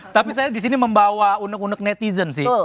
tapi saya di sini membawa unek unek netizen sih